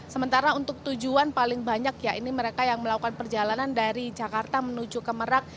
sementara untuk tujuan paling banyak ya ini mereka yang melakukan perjalanan dari jakarta menuju ke merak